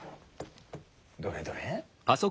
どれどれ。